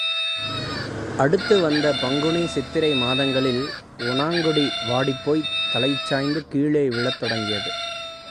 அடுத்து வந்த பங்குனி சித்திரை மாதங்களில் ஒணாங்கொடி வாடிப்போய்த் தலைசாய்ந்து கீழே விழத் தொடங்கியது.